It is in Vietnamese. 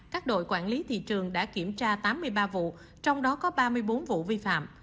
các đội quản lý thị trường đã kiểm tra tám mươi ba vụ trong đó có ba mươi bốn vụ vi phạm